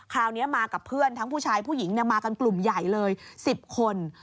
คราวนี้มากับเพื่อนทั้งผู้ชายผู้หญิงมากันกลุ่มใหญ่เลย๑๐คน